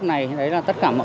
trên địa bàn hà nội